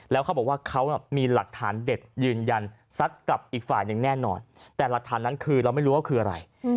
แล้วเขาบอกว่าเขามีหลักฐานเด็ดยืนยันซัดกับอีกฝ่ายหนึ่งแน่นอนแต่หลักฐานนั้นคือเราไม่รู้ว่าคืออะไร